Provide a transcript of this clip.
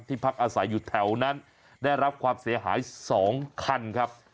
พักอาศัยอยู่แถวนั้นได้รับความเสียหาย๒คันครับ